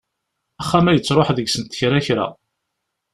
Axxam-a yettruḥ deg-sent kra kra.